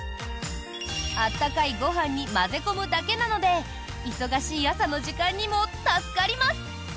温かいご飯に混ぜ込むだけなので忙しい朝の時間にも助かります！